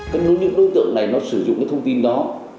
các đối tượng này sử dụng thông tin đó